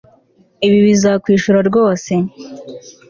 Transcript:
Ibi bizakwishura rwose